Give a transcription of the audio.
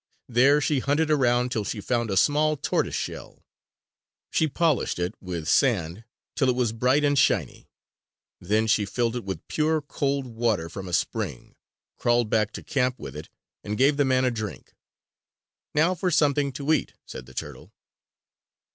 There she hunted around till she found a small tortoise shell. She polished it with sand till it was bright and shiny. Then she filled it with pure cold water from a spring, crawled back to camp with it, and gave the man a drink. "Now for something to eat," said the turtle.